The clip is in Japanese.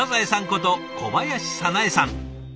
こと小林早苗さん。